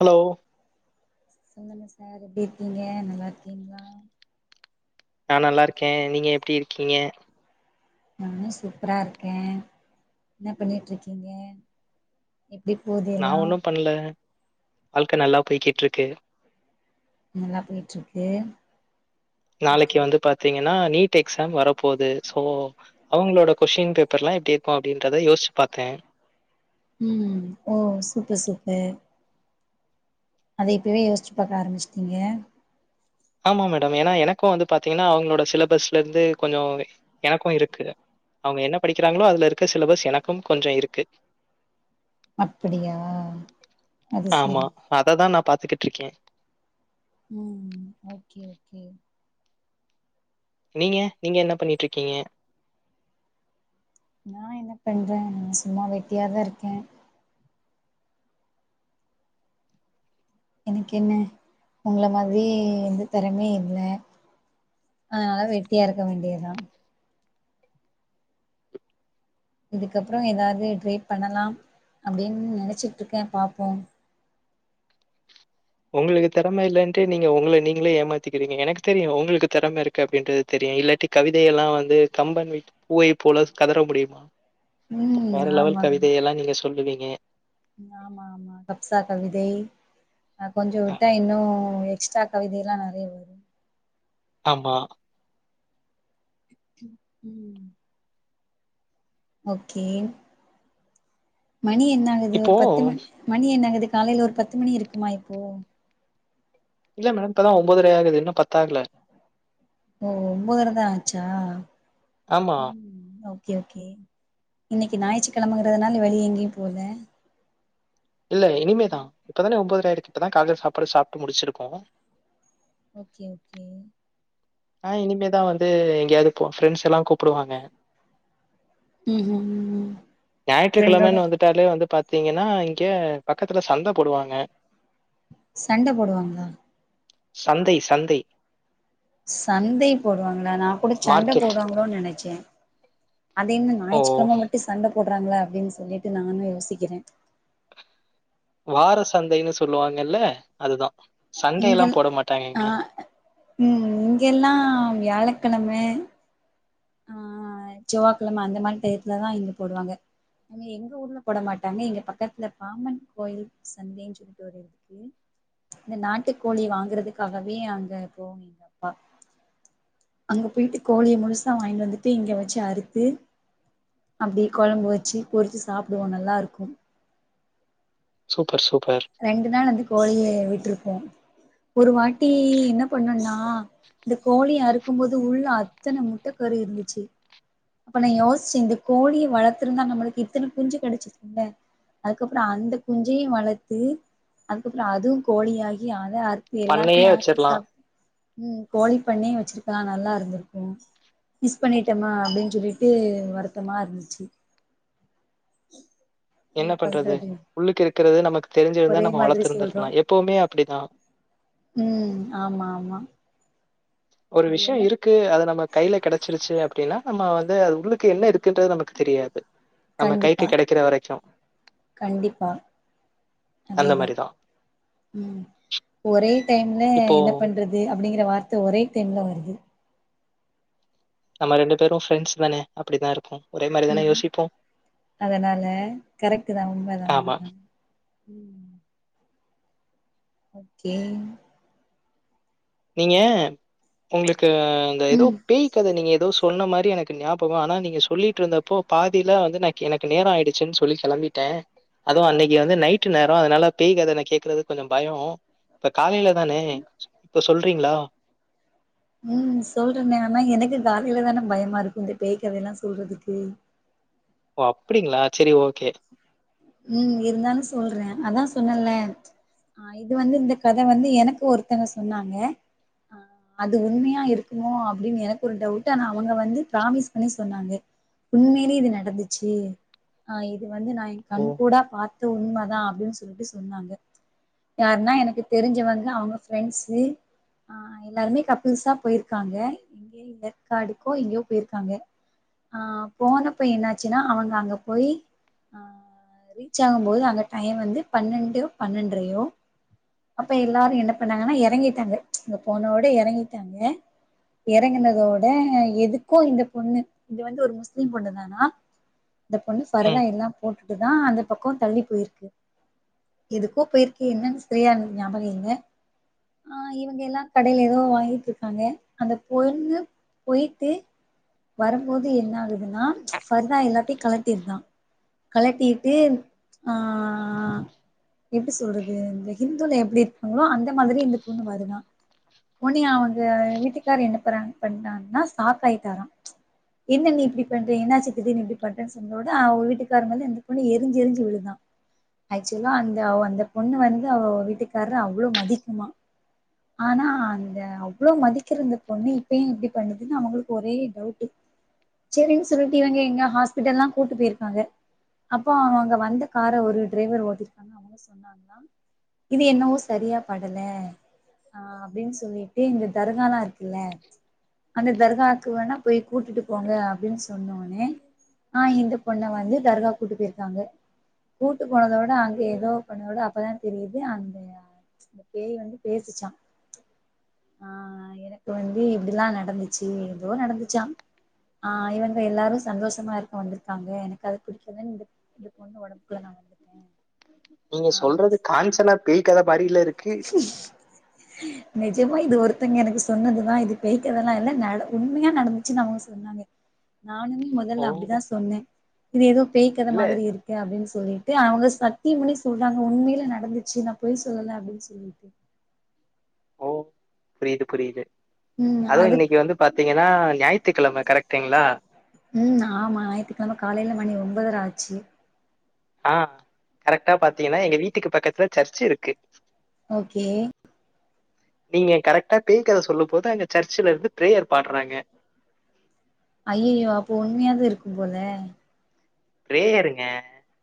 Hello சொல்லுங்க sir எப்டி இருக்கீங்க நல்லா இருக்கீங்களா நா நல்லாருக்கேன் நீங்க எப்டி இருக்கீங்க நானும் சூப்ரா இருக்கேன் என்ன பண்ணிட்டுருக்கீங்க நா ஒண்ணும் பண்ல வாழ்க்க நல்லா போய்கிட்டுருக்கு நல்லா போயிட்டுருக்கு நாளைக்கு வந்து பாத்தீங்கன்னா நீட் எக்ஸாம் வரப்போது சோ அவுங்களோட கொசின் பேப்பர்ல்லாம் எப்டி இருக்கும் அப்படின்றத யோசிச்சு பாத்தே ம் ஓ சூப்பர் சூப்பர் அத இப்பவே யோசிச்சு பாக்க ஆரம்பிச்சிட்டிங்க ஆமா மேடம் ஏன்னா எனக்கும் வந்து பாத்தீங்கன்னா அவுங்களோட சிலபஸ்லருந்து கொஞ்சம் எனக்கும் இருக்கு அவுங்க என்ன படிக்கிறாங்களோ அதுல இருக்க சிலபஸ் எனக்கும் கொஞ்சம் இருக்கு அப்டியா அது செரி [unintelligible] ருக்கேன் உம் ஓக்கே ஓக்கே நீங்க நீங்க என்ன பண்ணிடிருக்கீங்க நா என்ன பண்றே நான் சும்மா வெட்டியாதான் இருக்கேன் எனக்கு என்ன உங்கள மாதிரி வந்து திறமையே இல்ல அதனால வெட்டியா இருக்க வேண்டியதுதான் இதுக்கப்புறம் எதாவது ட்ரை பண்ணலாம் அப்டின்னு நெனச்சிட்ருக்கேன் பாப்போம் உங்களுக்கு திறம இல்லன்ட்டு நீங்க உங்கள நீங்களே ஏமாத்திக்கிறீங்க எனக்கு தெரியும் உங்களுக்கு திறம இருக்கு அப்டின்றது தெரியு இல்லாட்டி கவிதையல்லாம் வந்து கம்பன் வைத்த பூவை போல கதற முடியுமா ம் வேற லெவல் கவிதையெல்லாம் நீங்க சொல்லுவிங் க ஆம்மா ஆம்மா கப்சா கவிதை நா அ கொஞ்சவிட்டா இன்னு உயர் எக்ஸ்ட்ரா கவிதைல்லாம் நெறைய வரும் ஆம்மா ப்ச் ம் ஓக்கே மணி என்னாகுது ஒரு இப்போ பத்து மணி மணி என்னாகுது காலேல ஒரு பத்து மணி இருக்குமா இப்போ இல்ல மேம் இப்பதான் ஒன்பதரை ஆகுது இன்னும் பத்தாகல ஓ ஒன்பதரைதான் ஆச்சா ஆம்மா ஓக்கே ஓகே இன்னைக்கு ஞாயற்று கிழமங்கறதுனால வெளிய எங்கயும் போல இல்ல இனிமேதான் இப்பதானே ஒன்பதரை ஆயிருக்கு இப்பதான் காலேல சாப்பாடே சாப்ட்டு முடிச்சுருக்கோம் ஓக்கே ஓக்கே ஆஹ் இனிமேதான் வந்து எங்கேயாவது இப்போ ஃபிரெண்ட்ஸெல்லாம் கூப்டுவாங்க ம் ம் ம் ஃப்ரெண்டோட ஞாயிற்றுகிழமன்னு வந்துட்டாலே வந்து பாத் பாத்திங்கன்னா இங்க பக்கத்துல சந்த போடுவாங்க சண்ட போடுவாங்களா சந்தை சந்தை சந்தை போடுவாங்களா நான் கூட சண்ட மார்க்கெட். போடுவாங்களோனு நெனைச்சே அது என்ன ஓ! ஞாயிற்றுக்கிழம மட்டும் சண்ட போடுறாங்களா அப்டின்னு சொல்லிட்டு நானும் யோசிக்கிறே வார சந்தைன்னு சொல்லுவாங்கல்ல அதுதான் இங்கள் சண்டையெல்லாம் போட மாட்டாங்கங்க ஆஹ் உம் இங்கெல்லாம் வியாழ கெழம ஆஹ் செவ்வாக்கிழம அந்த மாரி டையத்துலதான் இங்க போடுவாங்க எங்க எங்க ஊர்ல போட மாட்டாங்க எங்க பக்கத்துல பாமன் கோயில் சந்தைன்னு சொல்லிட்டு ஒருதுக்கு இந்த நாட்டு கோழி வாங்குறதுக்காகவே அங்க போவாங்க எங்க அப்பா அங்க போய்ட்டு கோழிய முழுசு முழுசா வாங்கிட்டு வந்துட்டு இங்க வச்சு அறுத்து அப்டியே கொழம்பு வச்சு பொறுச்சு சாப்டுவோம் நல்லாருக்கும் சூப்பர் சூப்பர் ரெண்டு நாள் வந்து கோழிய விட்ரு வோம் ஒரு வாட்டி என்ன பண்ணனா இந்த கோழிய அறுக்கும்போது உள்ள அத்தன முட்டை கரு இருந்துச்சு அப்ப நா யோஸ்ச்சே இந்த கோழிய வளத்துருந்தா நம்மளுக்கு இத்தன குஞ்சு கெடச்சுருக்கும்ள அதுக்கப்றம் அந்த குஞ்சையும் வள த்து அதுக்கப்புறம் அதுவும் கோழியாகி அத அ றுத்து பண்ணையே எல்லாத்தையும் அறுத்து வச்சிரலாம் சாப் உம் கோழி பண்ணை வச்சிருக்கலா நல்லா இருந்திருக்கு மிஸ் பண்ணிட்டோமா அப்டின் சொல்லிட் டு வருத்தமா இருந்துச்சு என்ன பண்றது உள்ளுக்கு இருக்கிறது நமக்கு தெரிஞ்சிருந்தா ஒரே நம்ம மாதிரி சொல்றோ வளர்த்துிருந்திருக்கலாம் எப்பவுமே அப்டிதான் ம் ஆமா ஆமா ஒரு இது விஷ்ய என்ன இருக்கு அது நம்ம கைல கெடச்சிருச்சு அப்டினா நம்மா வந்து அது உள்ளுக்கு என்ன இருக்குன்றது நமக்கு தெரியாது நம்ம கண்டிப்பா கைக்கு கிடைக்கிற வரைக்கும் கண்டிப்பா அந்த அதேதா மாதிரிதான் உம் ஒரே டேன்ல இப்போ என்ன பண்றது அப்டிங்கிற வார் அட்த்து ஒரே டேம்ல வருது நம்ம ரெண்டு பேரு ஃப்ரெண்ட்ஸ் தானே அப்டிதா இருக்கு உம் அதனால கரெக்ட்டு தா உண்மதா ஆமா உண்மதா ஓகே நீங்க உங்ளுக் கு அந்த எதோ ம் பேய் கத நீங்க எதோ சொ சொன்ன மாரி எனக்கு ஞாபக ஆனா நீங்க சொல்லிட்ருந்தப்போ பாதில வந்து நா கெனக்கு நேர ஆயிடுச்சுன் சொல்லி கெளம்பிட்டே அதுவு அன்னைக்கு வந்து நைட்டு நேர அதனால பேய் கத நா கேக்குறதுக்கு கொஞ்ச பயோ இப்ப காலைல தலயணை சொல்றீங்ளா உம் சொல்றேன் ஆனா எனக்கு காலைல தான பயமா இருக்கு இந்த பேய் கதைலா சொல்றதுக்கு ஓ அப்டிங்ளா செரி ஓகே உம் இருந்தாலு சொல்றே அதா சொன்னேல ஆஹ் இது வந்து இந்த கத வந்து எனக்கு ஒருத்தவ்ங்க சொன்னாங்க ஆஹ் அது உண்மையா இருக்குமோ அப்டின் எனக்கு ஒரு டவுட்டு ஆனா அவுங்க வந்து ப்ராமிஸ் பண்ணி சொன்னாங்க உண்மைலே இது நடந்துச்சு ஆஹ் இது வந்து நா ஓ! கண் கூடா பாத் தது உண்ம தா அப்டின் சொல்லிட்டு சொன்னாங்க யாருன்னா எனக்கு தெரிஞ்சவங்க அவ்ங்க ஃப்ரெண்ட்ஸ்சு ஆஹ் எல்லாருமே கப்பிள்ஸா போயிருக்காங்க ஏற்காடுக்கோ எங்கயோ போயிருக்காங்க ஆஹ் போனப்ப என்னாச்சுனா அவ்ங்க அங்க போயி ஆஹ் அஹ் ரீச் ஆகும்போது அங்க டைம் வந்து பன்னெண்டு பன்னெண்டரையோ அப்ப எல்லாரு என்ன பண்ணாங்கன்னா இறங்கிட்டாங்க ம்ச் இந்த பொண்ணோட இறங்கிட்டாங்க இறங்கனதோட எதுக்கும் இந்த பொண்ணு இது வந்து ஒரு முஸ்லிம் பொண்ணு தானா இத்த பொண்ணு ஃபர்தா ம். எல்லா போட்டு தா அந்த பக்க தள்ளி போயிருக்கு எதுக்கோ போயிருக்கு என்னன்னு செரியா எனக்கு ஞாபக இல்ல ஆஹ் இவங்க எல்லா கடைல எதோ வாங்கிட்டு இருக்காங்க அந்த பொண்ணு போயிட்டு வரும்போது என்ன ஆகுதுனா‌ ஃபர்தா எல்லாத்தையு கலட்டிருதா கலட்டிட்டு ஆஹ் எப்டி சொல்றது இந்த ஹிந்துல எப்டி இருப்பாங்களோ அந்த மாதிரியே இந்த பொண்ணு வருதுதா ஒன்னே அவ்ங்க வீட்டுக்காரு என்ன பற்றாங் பண்ணிட்டாங்னா சாக்காயிட்டாறா என்ன நீ இப்டி பண்ற என்னாச்சு திடீர்னு நீ இப்டி பண்றன் சொல்லும் போது அவ்ங்க வீட்டுக்காரு மேல அந்த பொண்ணு எரிஞ்சு எரிஞ்சு விழுதா ஆக்சுவலா அந்த அந்த பொண்ணு வந்து அவ வீட்டுக்கார்ர அவ்ளோ மதிக்குமா ஆனா அந்த அவ்ளோ மதிக்கிற அந்த பொண்ணு இப்பயே இப்டி பண்ணுதுன் அவ்ங்களுக்கு ஒரே டவுட் சேரின்னு சொல்லிட்டு இவ்ங்க எங்கோ ஹாஸ்பிட்டல்லா கூட்டு போயிருக்காங்க அப்ப அவ அங்க வந்த கார ஒரு டிரைவர் ஓட்டிருக் இது என்னவோ சரியா படல ஆஹ் அப்டின் சொல்லிட்டு இந்த தர்ஹாலா இருக்குல்ல அந்த தர்ஹாவுக்கு வேணா போய் கூட்டிட்டு போங்க அப்டின் சொன்னோனே ஆஹ் இந்த பொண்ண வந்து தர்ஹா கூட்டு போயிருக்காங்க கூட்டு போனதோட அங்க எதோ ஒர் பொண்ணோட அப்பதா தெரியுது அந்த பேய் வந்து பேசுச்சா ஆஹ் எனக்கு வந்து இப்டிலா நடந்துச்சு எதோ நடந்துச் ச்சா ஆஹ் இவங்க எல்லாரு சந்தோஷமா இருக்க வந்திருக்காங்க எனக்கு அது புடிக்கலனு இது இந்த பொண்ணு ஒடம்புக்குள்ள நா வந்துட்டே நீங்க ஆ அப்டின்னு சொல்றது சொ காஞ்சனா பேய் க [unintelligible] நிஜமா இது ஒருத்தங்க எனக்கு சொன்னதுதா இது பேய்க்கதெல்லா இல்ல நட உண்மையா நடந்துச்சுன்னு அவங்க சொன்னாங்க நானுமே ஓ! முதல்ல அப்டிதா சொன்னே இது ஏதோ பேய்கத இல்ல. மாரி இருக்கு அப்டின்னு சொல்லிட்டு அவங்க சத்தியம் பண்ணி சொல்றாங்க உண்மையில நடந்துச்சு பொய் சொல்லல்ல அப்டின்னு சொல்லிட்டு ஓ! புரியுது புரியுது ம் அதுவு இன்னிக்கு அதுக்கு வந்து பாத்தீங்கன்னா ஞாயித்துக்கெழம கரெக்டுங்களா ம் ஆமா ஞாயித்துக்கிழம காலையில மணி ஒன்பதுரை ஆட்சி ஆஹ் கரெக்டா பாத்தீங்கன்னா எங்க வீட்டுக்கு பக்கத்துல சர்ச்சு இருக்கு ஓகே நீங்க கரெக்டா பேய் கத சொல்லு போது அங்க சர்ச்சல இருந்து பிரேயர் பாடுறாங்க ஐய்யோ அப்போ உண்மையாதா இருக்கு போல பிரேயர்ங்க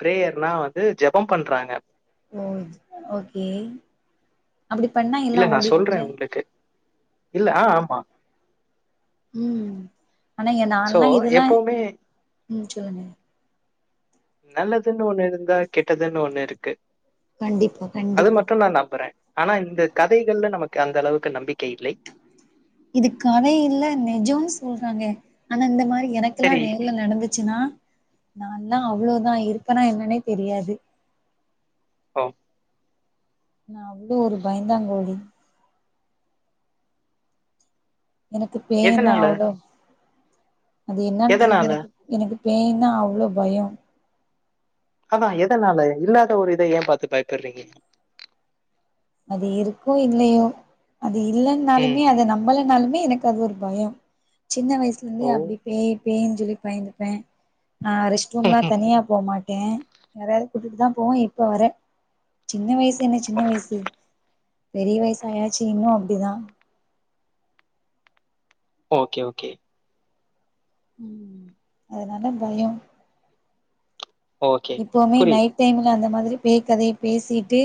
பிரேயர்னா வந்து ஜபம் பண்றாங்க ஓ ஓகே அப்டி பண்ணா எல்லா இல்ல நான் ஓடிடுல சொல்றேன் உங்களுக்கு. இல்ல ஆஹ் ஆமா உம் ஆனா ஏ சோ, நான்ல்லா இதெல்லா எப்பவுமே உம் சொல்லுங்க நல்லதுன்னு ஒண்ணு இருந்தா கெட்டதுன்னு ஒண்ணு இருக்கு கண்டிப்பா அது கண்டிப்பா மட்டு நா நம்புறே ஆனா இந்த கதைகள்ல நமக்கு அந்த அளவுக்கு நம்பிக்கை இல்லை இது கத இல்ல நிஜம்ன்னு சொல்றாங்க ஆனா இந்த மாரி எனக்கெல்லா சரி நேர்ல நடந்துச்சுன்னா நான்ல்லா அவ்ளோதா இருப்பனா என்னன்னே தெரியாது ஆஹ் நா அவ்ளோ ஒரு பயந்தா கோளி எனக்கு பேயனா எதனால? அவ்ளோ அது என்னன்னு தெரியல எதனால? எனக்கு எனக்கு பேயனா அவ்ளோ பயம் அதா எதனால இல்லாத ஒரு இத ஏ பாத்து ஏ பயப்படுறீங்க அது இருக்கோ இல்லயோ அது ம். இல்லன்னாலுமே அத நம்மளனாலுமே எனக்கு அது ஒரு பயம் சின்ன வயசுல இருந்து ஓ! அப்டி பேய் பேய் பாயந்துப்பே ஆஹ் ரெஸ்ட்ரூம்லா தனியா போமாட்ட ட்டேன் யாரது கூட்டுட்டு தா போவோ இப்ப வர சின்ன வயசு என்ன சின்ன வயசு பெரிய வயசு ஆயாச்சு இன்னு அப்டிதா ஓகே ஓகே ம் அதனால பயோ ஓகே. இப்பவுமே புரியுது. நைட் டைம்ல அந்த மாதிரி பேய் கதைய பேசிட்டு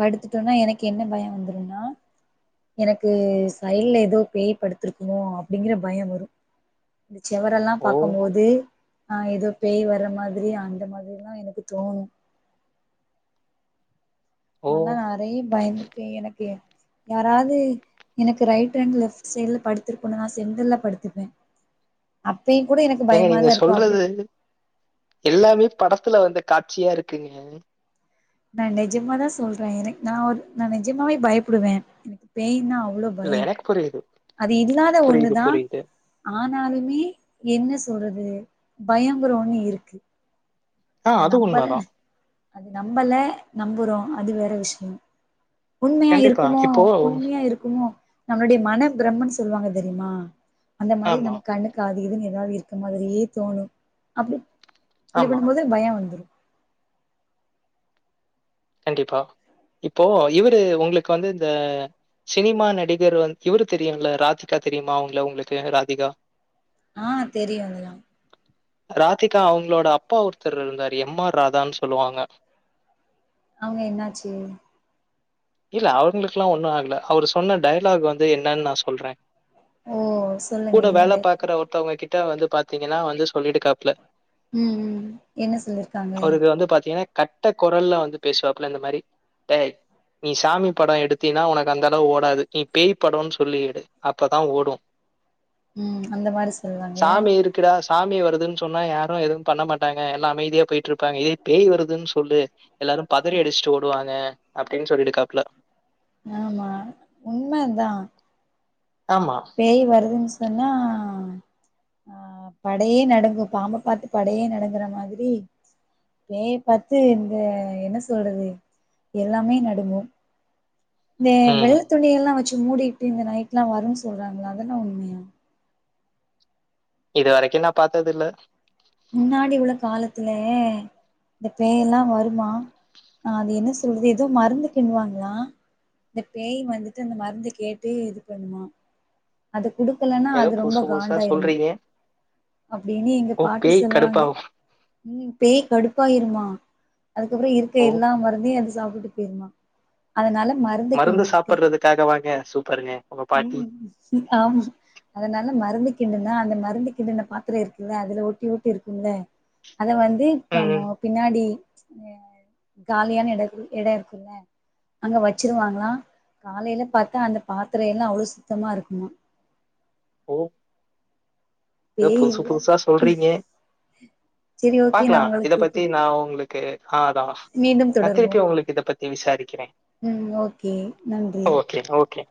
படுத்துட்டோனா எனக்கு என்ன பயோ வந்துருன்னா எனக்கு சைல்ல ஏதோ பேய் படுத்திருக்குமோ அப்டிங்கிற பயோ வரு இந்த செவரெல்லா ஓ! பாக்கும்போது அ ஏதோ பேய் வர்ற மாதிரி அந்த மா மாதிரிலா எனக்கு தோணு ஓ! ஆனா அதயு பயந்து ப்ப எனக்கு யாராது எனக்கு ரைட் ஹண்ட் லெஃப்ட் சைட்ல படுத்திருக்கனு நா செடர்ல படுத்துப்பே அப்பயு கூட எனக்கு ஏங்க நீங்க பயமாதா இருக்கு அப்டி சொல்றது எல்லாமே படத்துல வந்த காட்சியா இருக்குங்க நா நெஜமா தா சொல்றே எனக் நா ஒரு நா நெஜமாவே பயப்படுவே எனக்கு பேயின்னா இல்ல எனக் பரியது அது இல்லாத ஒண்ணதா ஆனாலுமே என்ன சொல் து பயோங்கர ஒன்னு இருக்கு ஆ அத அது நம்பல் உண்மைதான் அது நம்பல நம்புறோ அது வேற விஷயோ உண்மையா கண்டிப்பா இருக்குமோ இப்போ உண்மியா இருக்குமோ நம்ளோடைய மன பிரம்மன் சொல்லுவாங்க தெரியுமா அந்த மாதிரி ஆமா நம்ம கண்ணுக் அது இதுனு எதாது இருக்க மாரியே தோணு அப்டி ஆமா ஏ வந்துரு கண்டிப்பா இப்போ இவரு உங்ளுக் வந்து இந்த சினிமா நடிகர் வந் இவரு தெரியுங்ள ராதிகா தெரியுமா? அவுங்ள உங்ளுக் ராதிகா அ தெரியு அவ்ங்களா ராதிகா அவங்களோட அப்பா ஒருத்தர் இருந்தார் எம் ஆர் ராதான் சொல்லுவாங்க. அவங்க என்னாச்சு? இல்ல அவுங்ளுக்ல்லா ஒண்ணு ஆகல. அவரு சொன்ன டயலாக் வந்து என்னன் நா சொல்றே. ஓ சொல்லுங்க கூட என்ன வேல டைப் பாக்குற ஒருத்தவங்க கிட் ட வந் பாத்தீங்கன்னா வந்து சொல்லிட்காப்புல ம் ம் என்ன சொல்லிருக்காங்க? அவருக்கு வந்து பாத்தீங்கன்னா கட்ட குரல்ல வந்து பேசுவாப்புல இந்த மாரி. டேய் நீ சாமி படோ எடுத்தீன்னா உனக் அந்த அளவு ஓடாது. நீ பேய் படோனு சொல்லி எடு அப்பதா ஓடு ம் அந்த மாரி சொல்லுவாங்க சாமி இருக்குடா சாமி வருதுன்னு சொன்னா யாரும் எதுவு பண்ண மாட்டாங்க. எல்லா அமைதியா போய்ட்டு இருப்பாங்க. இதே பேய் வருதுன்னு சொல்லு எல்லாரும் பதறி அடிச்சுட்டு ஓடுவாங்க அப்டின்னு சொல்லிட்காப்ல ஆமா உண்மை தா ஆமா பேய் வருதுன்னு சொ ன்னா ஆஹ் படையே நடுங்கும். பாம்ப பாத்து படையே நடுங்குற மாதிரி பேய பாத்து இந்த என்ன சொல்றது எல்லாமே நடுங்கூ. இதே வெள்ள ம் துணிய எல்லா வச்சு மூடிட்டு இந்த நைட்ல வரும்னு சொல்றாங்க இல்ல. அதெல்லா உண்மையா? இது வரைக்கும் நா பாத்தது இல்ல. முன்னாடி உள்ள காலத்திலே இந்த பேய் எல்லா வருமா ஆஹ் அது என்ன சொ இது ஏதோ மருந்து கிண்டுவாங்க இந்த பேய் வந்துட் இந்த மருந்த கேட்டு இது பண்ணுமா அது குடுக்கலன்னா ஏதோ அது ரொம்ப புதுசு புதுசா காண்டாயிருமா சொல்றீங்க அப்டினி எங்க ஓ பாட்டி பேய் சொல்வாங்க. கடுப்பாகு உம் பேய் கடுப்பாயிருமா அதுக்கப்பறம் இருக்க ஓ எல்லா மருந்தையும் எடுத்து சாப்ட்டு போய்ருமா அதனால மருந்து சாப்றதுக்காகவாங்க சூப்பருங்க உங்க பாட்டி. ம் ஆமா அதனால மருந்து கிண்டுன்னா அந்த மருந்து கிண்டுன்ன பாத்திர இருக்குல்ல அதுல ஒட்டி ஒட்டி இருக்குல அத வந்து நம்மோ ம் பின்னாடி அஹ காலியான எட எடம் இருக்குல்ல அங்க வச்சிருவாங்ளாம். காலையில பாத்தா அந்த பாத்திர எல்லா அவ்வளவு சுத்தமா இருக்கு மா ஓ ஏதோ பேய் புதுசு இல்ல புதுசா சொல்றீங்க செரி ஓகே நா பாக்கலாம் இத உங்களுக்கு பத்தி கூப் நான் உங்களுக்கு. ஓகே. ஆஹ அதான் மீண்டும் நான் தொடருவோம் திருப்பி உங்களுக்கு இத பத்தி விசாரிக்கிறேன் ம் ஓகே நன்றி ஓகே ஓகே.